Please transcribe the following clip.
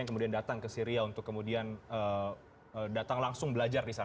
yang kemudian datang ke suriah untuk kemudian datang langsung belajar nih